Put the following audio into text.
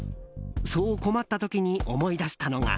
そう困った時に思い出したのが